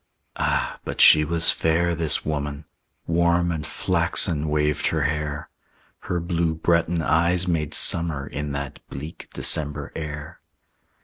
Ah, but she was fair, this woman! Warm and flaxen waved her hair; Her blue Breton eyes made summer In that bleak December air.